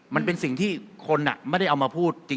มันเป็นสิ่งที่คนเราก็ไม่ได้เอามาพูด